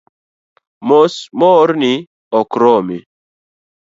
Mos moorni ok romi